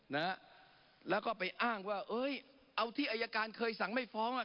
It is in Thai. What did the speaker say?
นะฮะแล้วก็ไปอ้างว่าเอ้ยเอาที่อายการเคยสั่งไม่ฟ้องอ่ะ